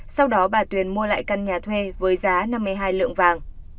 sau đó bà tuyền mua lại căn nhà thuê với giá năm mươi hai lượng vàng